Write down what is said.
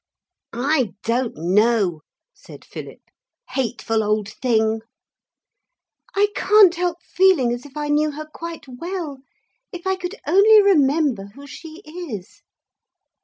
'I don't know,' said Philip, 'hateful old thing.' 'I can't help feeling as if I knew her quite well, if I could only remember who she is.'